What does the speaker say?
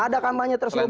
ada kampanye terselubung